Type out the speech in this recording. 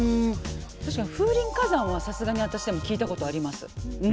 確かに「風林火山」はさすがに私でも聞いたことあります。